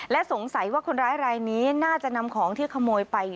และสงสัยว่าคนร้ายรายนี้น่าจะนำของที่ขโมยไป